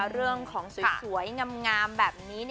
เรื่องของสวยงามแบบนี้